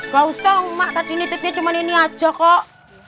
gak usah emang tadi nitipnya cuma ini aja kok